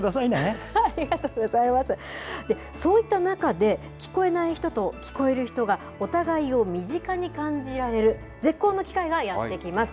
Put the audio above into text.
そういった中で、聞こえない人と、聞こえる人がお互いを身近に感じられる絶好の機会がやって来ます。